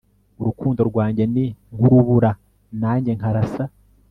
urukundo rwanjye ni nk'urubura, nanjye nkarasa